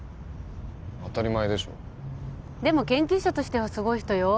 当たり前でしょでも研究者としてはすごい人よ